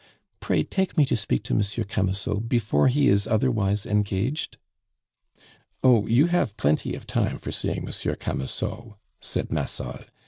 Pray take me to speak to Monsieur Camusot before he is otherwise engaged." "Oh, you have plenty of time for seeing Monsieur Camusot," said Massol.